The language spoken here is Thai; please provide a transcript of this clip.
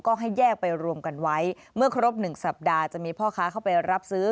ก็ให้แยกไปรวมกันไว้เมื่อครบหนึ่งสัปดาห์จะมีพ่อค้าเข้าไปรับซื้อ